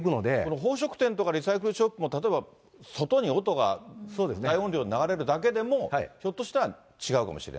宝飾店とかリサイクルショップもいや、外に音が大音量で流れるだけでも、ひょっとしたら違うかもしれない。